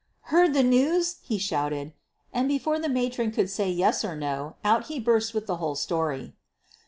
"Heard the news?" he shouted. And before the ■aatron could say yes or no out he burst with the whole story.